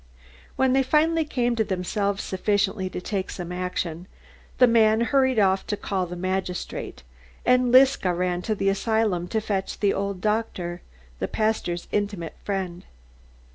When they finally came to themselves sufficiently to take some action, the man hurried off to call the magistrate, and Liska ran to the asylum to fetch the old doctor; the pastor's intimate friend.